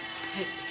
はい。